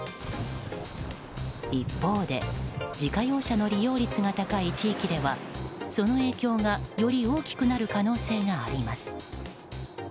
一方で、自家用車の利用率が高い地域ではその影響がより大きくなる可能性があります。